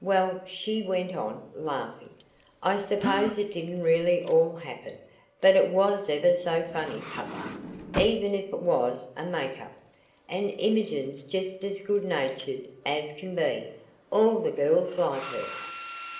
"Well," she went on, laughing, "I suppose it didn't really all happen; but it was ever so funny, Papa, even if it was a make up. And Imogen's just as good natured as can be. All the girls like her."